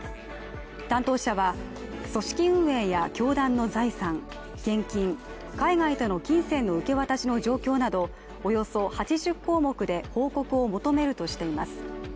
担当者は、組織運営や教団の財産、献金、海外との金銭の受け渡しの状況などおよそ８０項目で報告を求めるとしています。